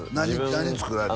何作られた？